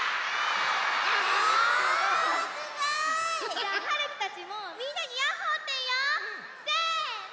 じゃあはるきたちもみんなにヤッホーっていおう！せの！